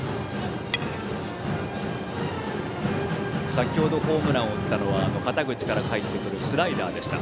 先程ホームランを打ったのは肩口から入ってくるスライダーでした。